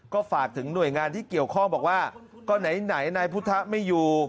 ก็ฝากถึงหน่วยงานที่เกี่ยวข้องบอกว่าก็ไหนนายพุทธไม่อยู่